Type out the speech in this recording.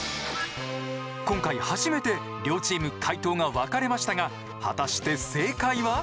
今回初めて両チーム解答が分かれましたが果たして正解は？